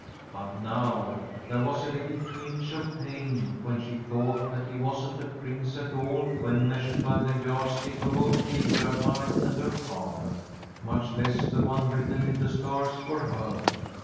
But now there was a little twinge of pain when she thought that he wasn't a prince at all when measured by the yard stick of old Hildgardmar and her father, much less the one written in the stars for her.